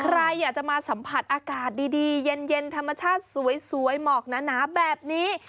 ใครอยากจะมาสัมผัสอากาศดีเย็นธรรมชาติสวยหมอกหนาแบบนี้